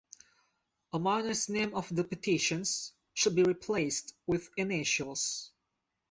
A minor's name of the petitions should be replaced with initials.